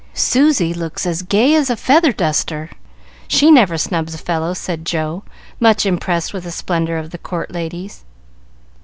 "Susy looks as gay as a feather duster. I like her. She never snubs a fellow," said Joe, much impressed with the splendor of the court ladies.